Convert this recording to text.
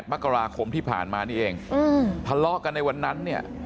มกราคมที่ผ่านมานี่เองทะเลาะกันในวันนั้นเนี่ย